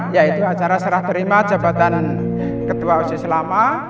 yaitu acara serah terima jabatan ketua oj selama